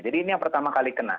jadi ini yang pertama kali kena